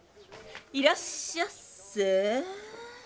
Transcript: いらっしゃっせえ。